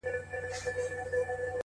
اې د قوتي زلفو مېرمني در نه ځمه سهار؛